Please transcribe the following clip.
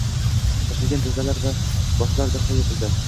ochilgan tizzalar va boshlar darhol yopildi.